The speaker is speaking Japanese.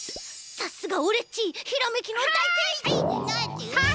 さっすがオレっちひらめきのだいてんさい。